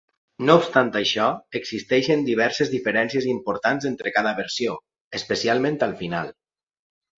No obstant això, existeixen diverses diferències importants entre cada versió, especialment al final.